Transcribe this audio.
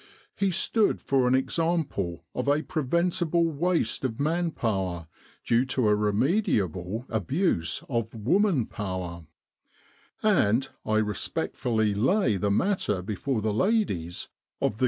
He stood for an example of a preventable waste of man power due to a remediable abuse of woman power; and I respectfully lay the matter before the ladies of the Q.